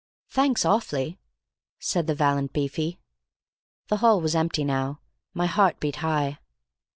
"Thanks awfully," said the valiant Beefy. The hall was empty now. My heart beat high.